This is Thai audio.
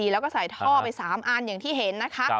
แล้วก็ใส่ท่อไป๓อันอย่างที่เห็นนะคะ